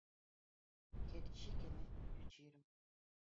Ket chike ne jochiro